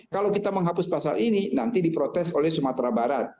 kalau kita menghapus pasal ini nanti diprotes oleh sumatera barat